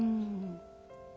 うん。